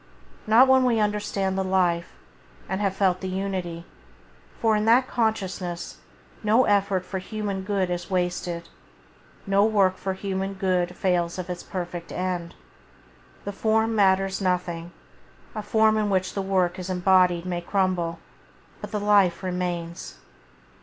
Not when we understand the Life, and have felt the Unity; for in that consciousness no effort for human good is wasted, no work for human good fails of its perfect end. The form matters nothing; a form in which the work is embodied may crumble, but the life remains.